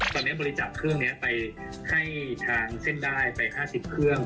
ตอนเนี้ยบริจาคเครื่องเนี้ยไปให้ทางเส้นได้ไปข้าภูมิ